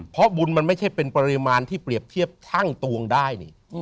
เพราะบุญมันไม่ใช่เป็นปริมาณที่เปรียบเทียบช่างตวงได้นี่